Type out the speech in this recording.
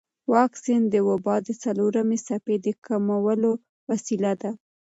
واکسن د وبا د څلورمې څپې د کمولو وسیله ده.